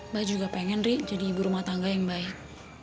mbak juga pengen ri jadi ibu rumah tangga yang baik